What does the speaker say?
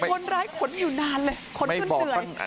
คนร้ายขนอยู่นานเลยขนจนเหนื่อย